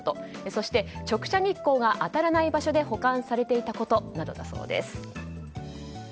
そして直射日光が当たらない場所で保管されていたことなどだそうです。